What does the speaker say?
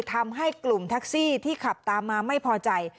ทำให้กลุ่มแท็กซี่ที่ขับตามมาไม่พอใจ